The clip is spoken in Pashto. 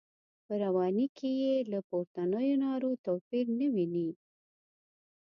په رواني کې یې له پورتنیو نارو توپیر نه ویني.